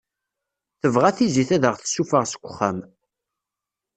Tebɣa tizit ad aɣ-tessufeɣ seg uxxam.